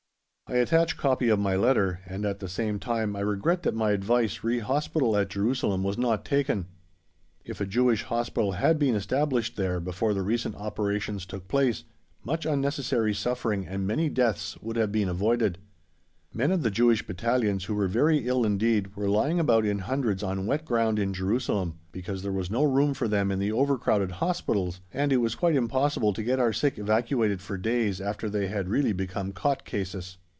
I attach copy of my letter and, at the same time, I regret that my advice re Hospital at Jerusalem was not taken. If a Jewish Hospital had been established there, before the recent operations took place, much unnecessary suffering and many deaths would have been avoided. Men of the Jewish Battalions, who were very ill indeed, were lying about in hundreds on wet ground in Jerusalem, because there was no room for them in the overcrowded hospitals, and it was quite impossible to get our sick evacuated for days after they had really become cot cases.